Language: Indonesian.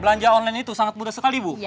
belanja online itu sangat mudah sekali bu